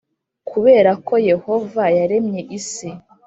Kubera ko Yehova yaremye isi